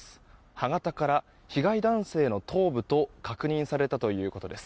歯型から被害男性の頭部と確認されたということです。